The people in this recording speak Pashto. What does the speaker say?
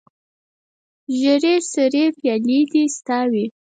ژړې سرې پیالې دې ستا وي